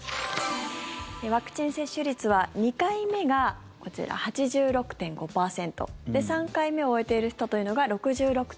ワクチン接種率は２回目が８６．５％３回目を終えている人というのが６６．４％。